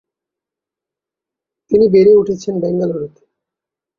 তিনি বেড়ে উঠেছেন বেঙ্গালুরুতে।